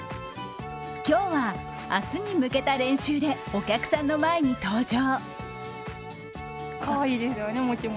今日は明日に向けた練習でお客さんの前に登場。